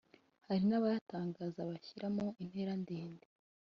Hari n’abayatangaza bashyiramo intera ndende